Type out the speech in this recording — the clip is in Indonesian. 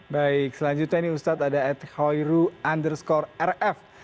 baik selanjutnya ini ustadz ada at hoiru underscore rf